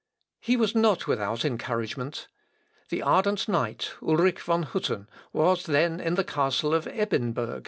He was not without encouragement. The ardent knight, Ulric von Hütten, was then in the castle of Ebernburg.